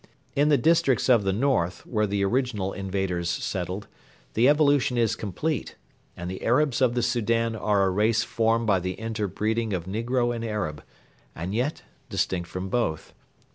In the districts of the north, where the original invaders settled, the evolution is complete, and the Arabs of the Soudan are a race formed by the interbreeding of negro and Arab, and yet distinct from both.